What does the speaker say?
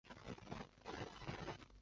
特雷迪代尔人口变化图示